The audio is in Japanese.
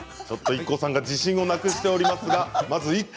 ちょっとＩＫＫＯさんが自信をなくしておりますが。